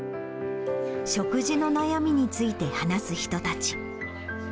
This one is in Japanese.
食事の悩みについて話す人たち。